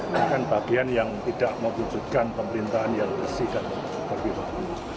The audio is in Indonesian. bukan bagian yang tidak membutuhkan pemerintahan yang bersih dan berguna